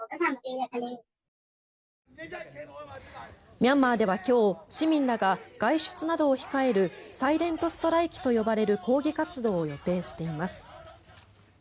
ミャンマーでは今日、市民らが外出などを控えるサイレント・ストライキと呼ばれる抗議活動を予定しています。